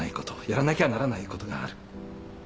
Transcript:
やらなきゃならないことがある。